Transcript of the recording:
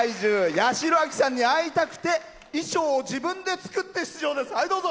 八代亜紀さんに会いたくて衣装を自分で作って出場です。